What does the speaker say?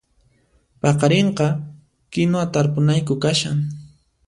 Paqarinqa kinuwa tarpunayku kashan